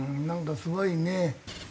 なんかすごいね。